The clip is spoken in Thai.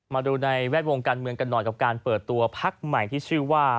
มาดูในแวดวงการเมืองกันหน่อยกับการเปิดตัวพักใหม่ที่ชื่อว่า